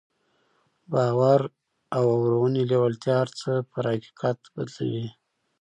باور او اورنۍ لېوالتیا هر څه پر حقيقت بدلوي.